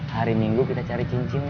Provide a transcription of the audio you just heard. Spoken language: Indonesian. hari minggu kita cari cincin